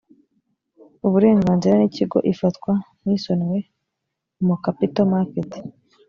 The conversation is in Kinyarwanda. uburenganzira n ikigo ifatwa nk isonewe mu capital market